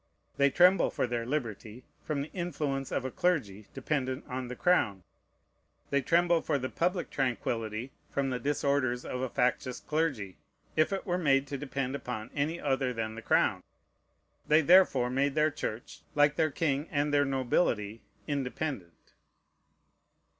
They tremble for their liberty, from the influence of a clergy dependent on the crown; they tremble for the public tranquillity, from the disorders of a factious clergy, if it were made to depend upon any other than the crown. They therefore made their Church, like their king and their nobility, independent.